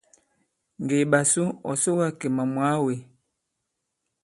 Ŋgè i ɓasu ɔ̀ soga Kemà mwàa wē.